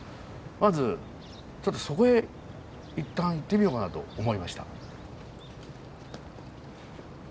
まずちょっとそこへ一旦行ってみようかなと思いました。